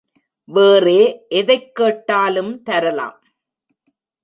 வேறே எதைக் கேட்டாலும் தரலாம்.